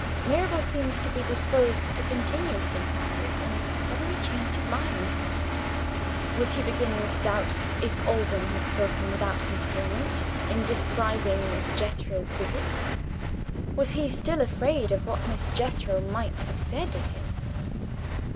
Mirabel seemed to be disposed to continue his inquiries and suddenly changed his mind. Was he beginning to doubt if Alban had spoken without concealment, in describing Miss Jethro's visit? Was he still afraid of what Miss Jethro might have said of him?